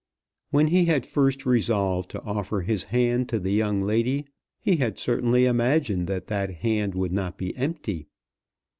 When he had first resolved to offer his hand to the young lady, he had certainly imagined that that hand would not be empty.